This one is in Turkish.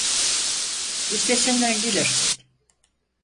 Üstesinden gelirsin.